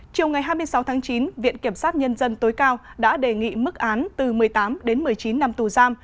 chiều ngày hai mươi sáu tháng chín viện kiểm sát nhân dân tối cao đã đề nghị mức án từ một mươi tám đến một mươi chín năm tù giam